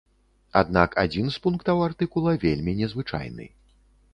Аднак адзін з пунктаў артыкула вельмі незвычайны.